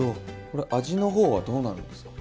これ味の方はどうなるんですか？